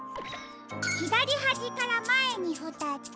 ひだりはじからまえにふたつ。